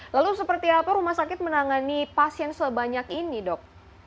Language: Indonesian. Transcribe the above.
lalu seperti apa rumah sakit menangani pasien sebanyak ini dok